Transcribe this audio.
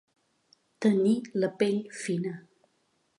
Tenir la pell fina.